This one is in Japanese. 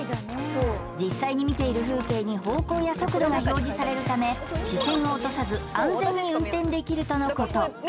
実際に見ている風景に方向や速度が表示されるため視線を落とさず安全に運転できるとのこと